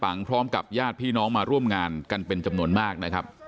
พร้อมกับญาติพี่น้องมาร่วมงานกันเป็นจำนวนมากนะครับ